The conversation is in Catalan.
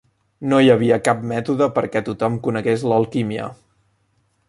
No hi havia cap mètode perquè tothom conegués l'alquímia.